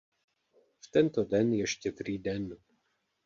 V tento den je Štědrý den.